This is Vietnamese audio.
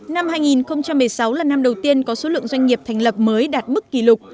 năm hai nghìn một mươi sáu là năm đầu tiên có số lượng doanh nghiệp thành lập mới đạt mức kỷ lục